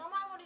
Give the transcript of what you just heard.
gak mau budi